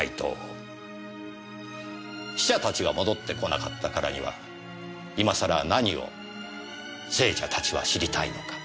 「死者たちが戻って来なかったからには今さら何を生者たちは知りたいのか？」。